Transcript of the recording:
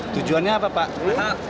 tujuannya apa pak